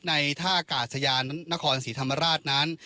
ท่ากาศยานนครศรีธรรมราชนั้น